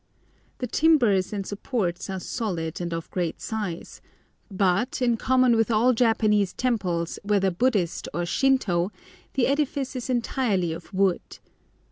The timbers and supports are solid and of great size, but, in common with all Japanese temples, whether Buddhist or Shintô, the edifice is entirely of wood.